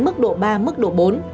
mức độ ba mức độ bốn